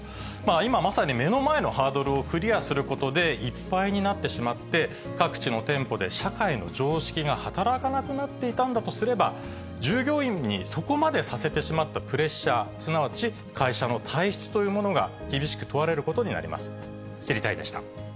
今まさに目の前のハードルをクリアすることで、いっぱいになってしまって、各地の店舗で社会の常識が働かなくなっていたんだとすれば、従業員にそこまでさせてしまったプレッシャー、すなわち、会社の体質というものが厳しく問われることになります。